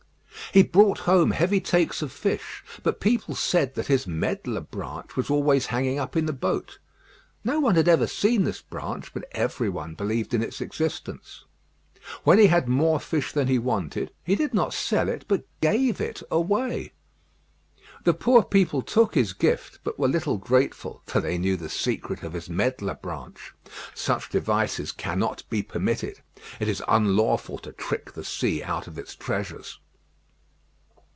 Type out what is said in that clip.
He brought home heavy takes of fish; but people said that his medlar branch was always hanging up in the boat. No one had ever seen this branch, but every one believed in its existence. When he had more fish than he wanted, he did not sell it, but gave it away. The poor people took his gift, but were little grateful, for they knew the secret of his medlar branch. Such devices cannot be permitted. It is unlawful to trick the sea out of its treasures.